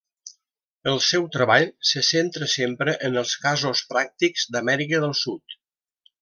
El seu treball se centra sempre en els casos pràctics d'Amèrica del Sud.